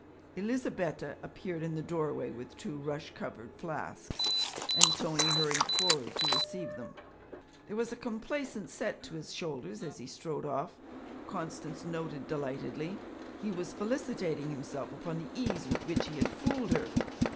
Elizabetta appeared in the doorway with two rush covered flasks, and Tony hurried forward to receive them. There was a complaisant set to his shoulders as he strode off, Constance noted delightedly; he was felicitating himself upon the ease with which he had fooled her.